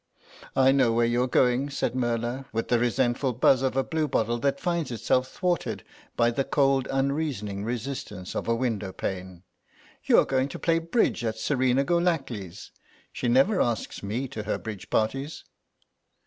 "I know where you're going," said Merla, with the resentful buzz of a bluebottle that finds itself thwarted by the cold unreasoning resistance of a windowpane. "You're going to play bridge at Serena Golackly's. She never asks me to her bridge parties."